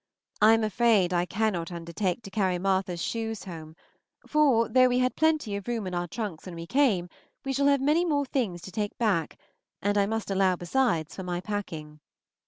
I am afraid I cannot undertake to carry Martha's shoes home, for, though we had plenty of room in our trunks when we came, we shall have many more things to take back, and I must allow besides for my packing.